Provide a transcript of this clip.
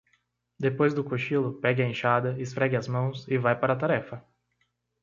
Depois do cochilo, pegue a enxada, esfregue as mãos e vai para a tarefa.